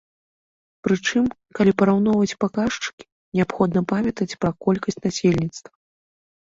Прычым, калі параўноўваць паказчыкі, неабходна памятаць пра колькасць насельніцтва.